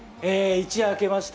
一夜明けました。